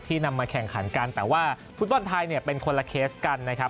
นำมาแข่งขันกันแต่ว่าฟุตบอลไทยเนี่ยเป็นคนละเคสกันนะครับ